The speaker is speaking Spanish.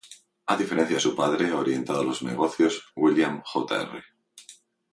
A diferencia de su padre orientado a los negocios, William Jr.